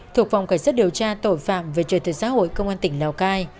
thuộc phòng cảnh sát điều tra tội phạm về trời thực xã hội công an tỉnh lào cai